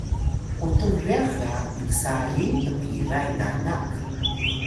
qutux ryax ga minsaying tpiray nanak